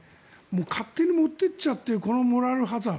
勝手に持っていっちゃうというこのモラルハザード。